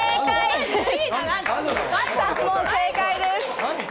正解です！